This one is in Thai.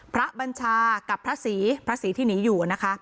บัญชากับพระศรีพระศรีที่หนีอยู่นะคะ